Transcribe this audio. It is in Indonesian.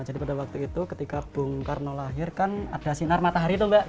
jadi pada waktu itu ketika bung karno lahir kan ada sinar matahari itu mbak